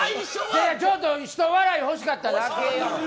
ちょっと、ひと笑い欲しかったなって。